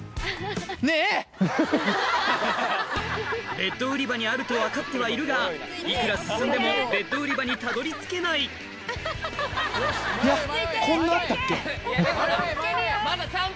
ベッド売り場にあると分かってはいるがいくら進んでもベッド売り場にたどり着けない迷え迷え！